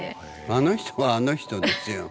あの人はあの人ですよ。